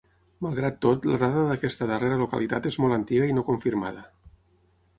Malgrat tot, la dada d'aquesta darrera localitat és molt antiga i no confirmada.